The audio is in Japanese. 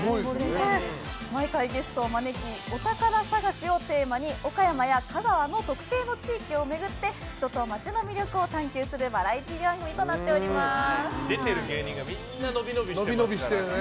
毎回ゲストを招きお宝探しをテーマに岡山や香川の特定の地域を巡って人と街の魅力を探求するバラエティー番組と出てる芸人がみんな、伸び伸びしてて。